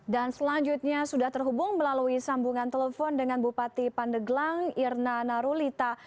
dan selanjutnya sudah terhubung melalui sambungan telepon dengan bupati pandeglang irna narulita